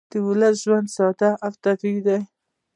د ولس ژوند ساده او طبیعي دی